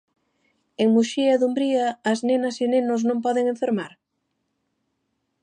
En Muxía e Dumbría as nenas e nenos non poden enfermar?